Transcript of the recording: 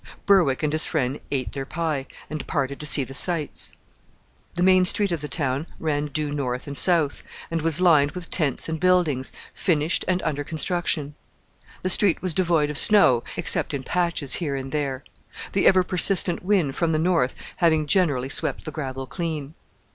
Berwick and his friend ate their pie, and departed to see the sights. The main street of the town ran due north and south, and was lined with tents and buildings, finished and under construction. The street was devoid of snow, except in patches here and there; the ever persistent wind from the north having generally swept the gravel clean.